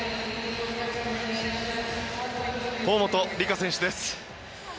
大本里佳選手です。